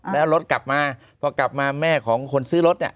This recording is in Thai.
แล้วรถกลับมาพอกลับมาแม่ของคนซื้อรถ